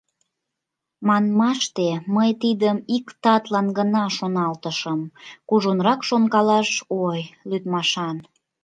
Манмаште, мый тидым иктатлан гына шоналтышым, кужунрак шонкалаш, ой, лӱдмашан.